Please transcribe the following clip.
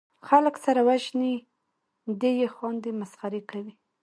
خلک سره وژني دي پې خاندي مسخرې کوي